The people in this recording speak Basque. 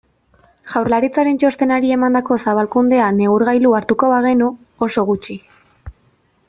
Jaurlaritzaren txostenari emandako zabalkundea neurgailu hartuko bagenu, oso gutxi.